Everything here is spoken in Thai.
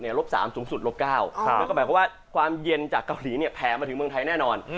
ไหมว่าความเย็นจากเกาหลีเนี่ยแผ่มาถึงเมืองไทยแน่นอน